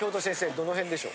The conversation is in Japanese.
どの辺でしょう？